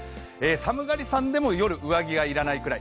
寒がりさんでも夜、上着が要らないくらい。